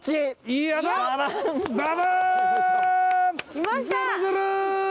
きました！